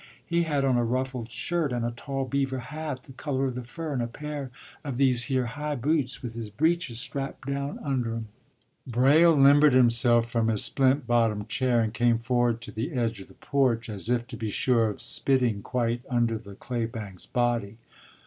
He had on a ruffled shirt, and a tall beaver hat, the color of the fur, and a pair of these here high boots, with his breeches strapped down under 'em.” Braile limbered himself from his splint bottom chair, and came forward to the edge of the porch, as if to be sure of spitting quite under the claybank's body.